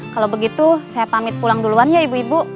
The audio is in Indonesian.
kalau begitu saya pamit pulang duluan ya ibu ibu